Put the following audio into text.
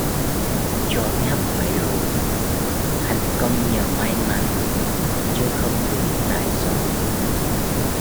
Chó ngáp phải ruồi: thành công nhờ may mắn, chớ không vì tài giỏi